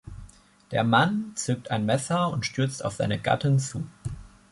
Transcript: Der Mann zückt ein Messer und stürzt auf seine Gattin zu.